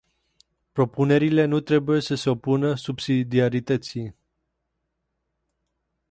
Propunerile nu trebuie să se opună subsidiarității.